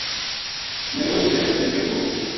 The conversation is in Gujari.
میرو زیور بیچیو تھو